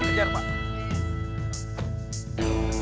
motor lu keren mas